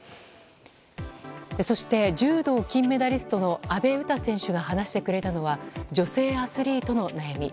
そして、柔道金メダリストの阿部詩選手が話してくれたのは女性アスリートの悩み。